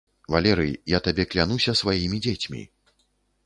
Валерый, я табе клянуся сваімі дзецьмі.